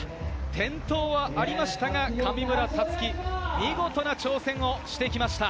転倒はありましたが、上村竜生、見事な挑戦をしてきました。